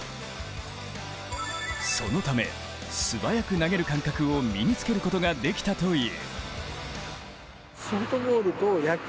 そのため素早く投げる感覚を身に着けることができたという。